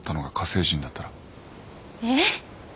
えっ？